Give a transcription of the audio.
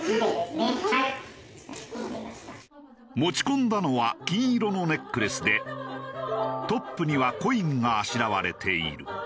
持ち込んだのは金色のネックレスでトップにはコインがあしらわれている。